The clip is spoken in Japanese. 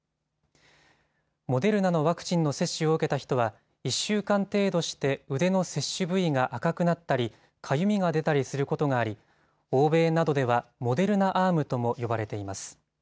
モデルナのワクチンの接種を受けた人は、１週間程度して腕の接種部位が赤くなったりかゆみが出たりすることがあり欧米などではモデルナ・アームとも呼ばれています。